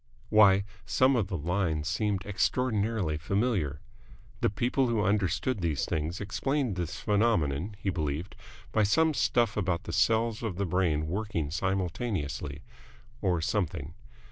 Why, some of the lines seemed extraordinarily familiar. The people who understood these things explained this phenomenon, he believed, by some stuff about the cells of the brain working simultaneously or something.